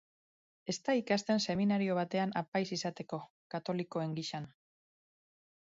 Ez da ikasten seminario batean apaiz izateko, katolikoen gisan.